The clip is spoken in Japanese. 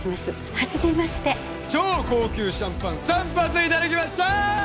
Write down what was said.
初めまして・超高級シャンパン３発いただきました